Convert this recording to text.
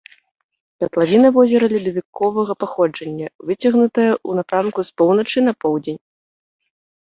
Катлавіна возера ледавіковага паходжання, выцягнутая ў напрамку з поўначы на поўдзень.